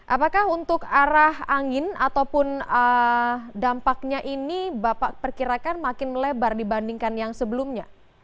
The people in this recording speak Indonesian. apakah untuk arah angin ataupun dampaknya ini bapak perkirakan makin melebar di brastagi